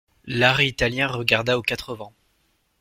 L'art italien regarda aux quatre vents.